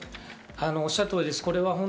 おっしゃる通りです。